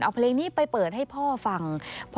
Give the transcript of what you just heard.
เอาเพลงนี้ไปเปิดให้พ่อฟัง